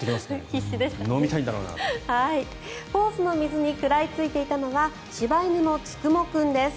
ホースの水に食らいついていたのは柴犬のつくも君です。